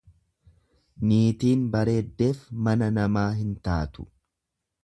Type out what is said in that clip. Niitiin bareeddeef mana namaa hin taatu.